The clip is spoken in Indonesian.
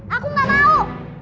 aku gak mau